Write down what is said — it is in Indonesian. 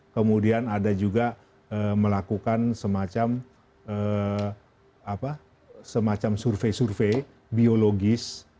kemudian ada juga melakukan semacam survei survei biologis